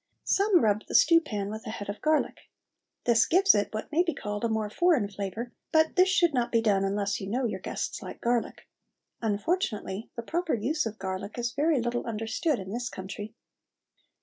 Some rub the stew pan with a head of garlic. This gives it what may be called a more foreign flavour, but this should not be done unless you know your guests like garlic. Unfortunately, the proper use of garlic is very little understood in this country.